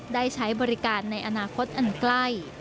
ได้ใช้บริการในอนาคตอันใกล้